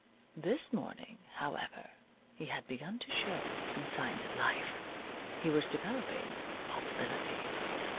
This morning, however, he had begun to show some signs of life. He was developing possibilities.